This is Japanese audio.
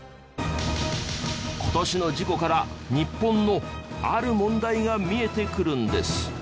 今年の事故から日本のある問題が見えてくるんです。